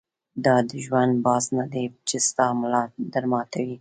دا دژوند بار نۀ دی چې ستا ملا در ماتوي